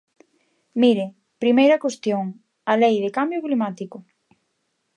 Mire, primeira cuestión, a Lei de cambio climático.